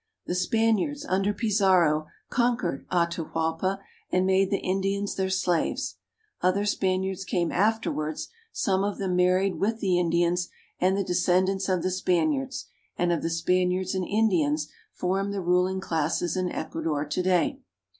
The Spaniards under PIzarro conquered Atahualpa and made the Indians their slaves. Other Spaniards came afterwards ; some of them married with the Indians, and the descendants of the Span iards and of the Spaniards and Indians form the ruling classes in Ecuador to day.